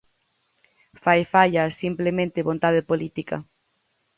Fai falla simplemente vontade política.